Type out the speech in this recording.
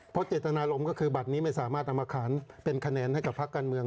เพราะเจตนารมณ์ก็คือบัตรนี้ไม่สามารถนำมาขานเป็นคะแนนให้กับภาคการเมือง